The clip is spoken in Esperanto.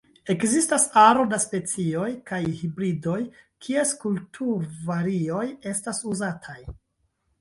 Ekzistas aro da specioj kaj hibridoj, kies kulturvarioj estas uzataj.